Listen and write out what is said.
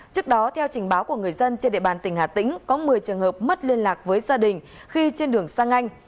trước đó theo trình báo của người dân trên địa bàn tỉnh hà tĩnh có một mươi trường hợp mất liên lạc với gia đình khi trên đường sang anh